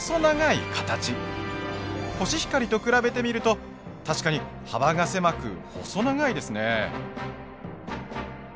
コシヒカリと比べてみると確かに幅が狭く細長いですね。